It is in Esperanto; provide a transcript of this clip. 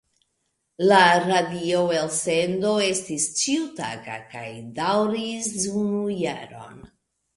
La radio-elsendo estis ĉiutaga kaj daŭris unu jaron.